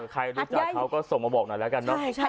ใครรู้จักเขาก็ส่งมาบอกหน่อยแล้วกันเนอะ